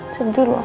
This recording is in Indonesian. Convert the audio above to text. jangan lupa kakak